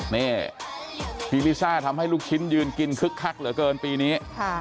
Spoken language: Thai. นี่พี่ลิซ่าทำให้ลูกชิ้นยืนกินคึกคักเหลือเกินปีนี้